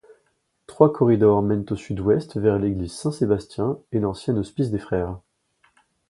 Trois corridors mènent au sud-ouest vers l'église Saint-Sébastien et l'ancien hospice des frères.